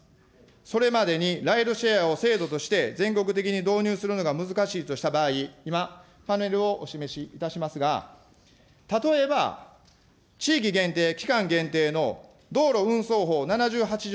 それまでにライドシェアを制度として、全国的に導入するのが難しいとした場合、今、パネルをお示しいたしますが、例えば、地域限定、期間限定の道路運送法７８条